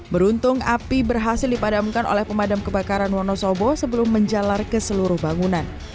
beruntung api berhasil dipadamkan oleh pemadam kebakaran wonosobo sebelum menjalar ke seluruh bangunan